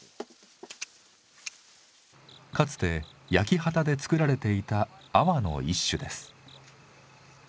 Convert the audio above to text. かつて焼き畑で作られていたアワの一種です。